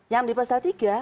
yang di pasal tiga